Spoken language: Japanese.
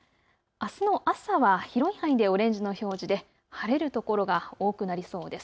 あすの朝は広い範囲でオレンジの表示で晴れる所が多くなりそうです。